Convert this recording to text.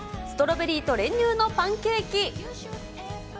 ストロベリーと練乳のパンケーキ。